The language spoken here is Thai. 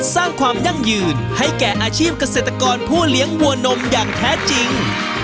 สร้างความยั่งยืนให้แก่อาชีพเกษตรกรผู้เลี้ยงวัวนมอย่างแท้จริง